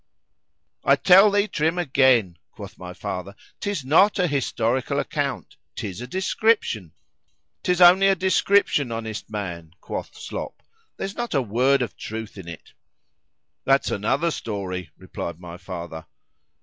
I tell thee, Trim, again, quoth my father, 'tis not an historical account,—'tis a description.—'Tis only a description, honest man, quoth Slop, there's not a word of truth in it.——That's another story, replied my father.